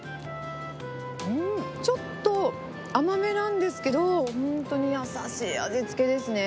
うん、ちょっと甘めなんですけど、本当に優しい味付けですね。